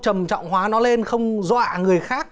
trầm trọng hóa nó lên không dọa người khác